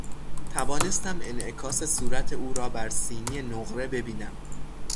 توانستم انعکاس صورت او را بر سینی نقره ببینم.